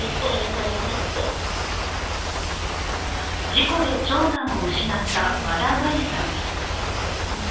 事故で長男を失った、和田真理さん。